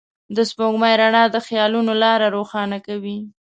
د سپوږمۍ رڼا د خيالونو لاره روښانه کوي.